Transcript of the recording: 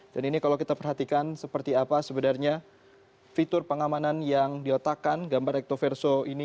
dan ini kalau kita perhatikan seperti apa sebenarnya fitur pengamanan yang diotakan gambar recto verso ini